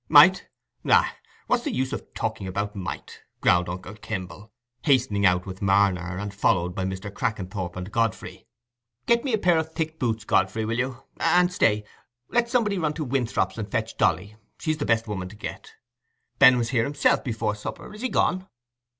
"Might? aye—what's the use of talking about might?" growled uncle Kimble, hastening out with Marner, and followed by Mr. Crackenthorp and Godfrey. "Get me a pair of thick boots, Godfrey, will you? And stay, let somebody run to Winthrop's and fetch Dolly—she's the best woman to get. Ben was here himself before supper; is he gone?"